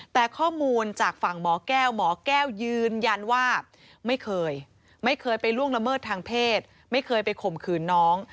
แต่ข้อมูลจากฝั่งหมอแก้วหมอแก้วยืนยันว่าไม่เคยไม่เคยไปล่วงละเมิดทางเพศไม่เคยไปข่มขืนน้อง